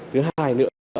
thứ hai nữa